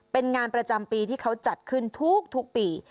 เป็นงานประจำปีที่เขาจัดขึ้นทุกปี